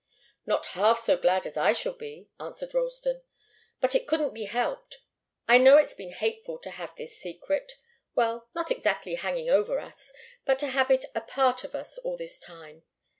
"Not half so glad as I shall be," answered Ralston. "But it couldn't be helped. I know it's been hateful to have this secret well, not exactly hanging over us, but to have it a part of us all this time.